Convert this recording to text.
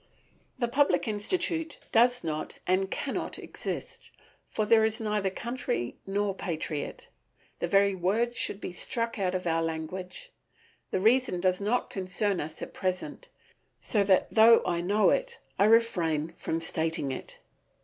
The public institute does not and cannot exist, for there is neither country nor patriot. The very words should be struck out of our language. The reason does not concern us at present, so that though I know it I refrain from stating it.